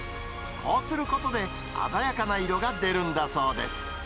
こうすることで、鮮やかな色が出るんだそうです。